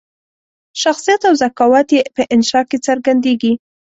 شخصیت او ذکاوت یې په انشأ کې څرګندیږي.